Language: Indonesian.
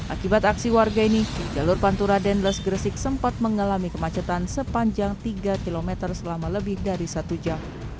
akibat aksi warga ini jalur pantura dendles gresik sempat mengalami kemacetan sepanjang tiga km selama lebih dari satu jam